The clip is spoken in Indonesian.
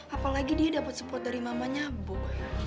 apalagi dia dapet support dari mamanya boy